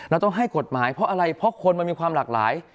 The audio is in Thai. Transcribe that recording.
เราต้องให้กฎหมายเพราะอะไรเพราะคนมันมีความหลากหลาย